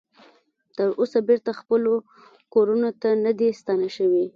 تر اوسه بیرته خپلو کورونو ته نه دې ستانه شوي